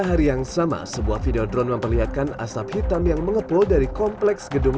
hari yang sama sebuah video drone memperlihatkan asap hitam yang mengepul dari kompleks gedung